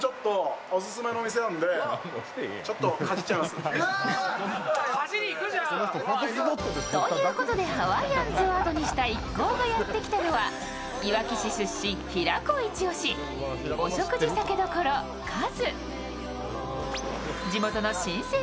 するとということでハワイアンズをあとにした一行がやってきたのはいわき市出身、平子イチ押しお食事酒処和。